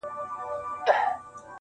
• نظم لږ اوږد دی امید لرم چي وې لولی,